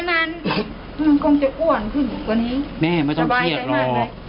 มันกำลังคงจะอ้วนขึ้นกว่านี้แม่ไม่ต้องเครียดเราสบายใจหน่อย